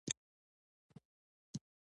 سرمعلم وخندل: